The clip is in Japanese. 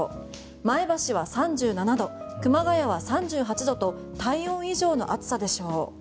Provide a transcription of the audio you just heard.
前橋は３７度熊谷は３８度と体温以上の暑さでしょう。